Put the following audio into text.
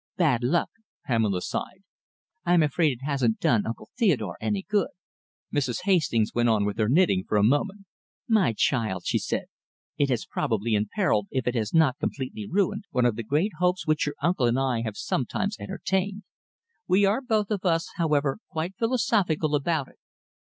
"Bad luck," Pamela sighed. "I am afraid it hasn't done Uncle Theodore any good." Mrs. Hastings went on with her knitting for a moment. "My child," she said, "it has probably imperilled, if it has not completely ruined, one of the great hopes which your uncle and I have sometimes entertained. We are both of us, however, quite philosophical about it.